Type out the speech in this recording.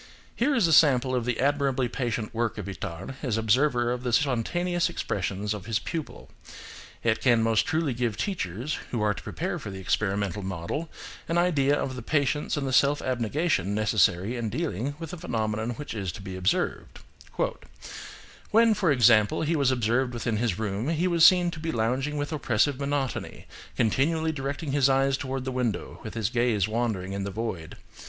Here is a sample of the admirably patient work of Itard as observer of the spontaneous expressions of his pupil: it can most truly give teachers, who are to prepare for the experimental method, an idea of the patience and the self ab negation necessary in dealing with a phenomenon which is to be observed: "When, for example, he was observed within his room, he was seen to be lounging with oppressive monotony, continually directing his eyes toward the window, with his gaze wandering in the void.